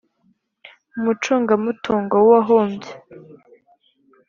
umucungamutungo w uwahombye